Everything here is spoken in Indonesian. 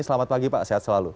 selamat pagi pak sehat selalu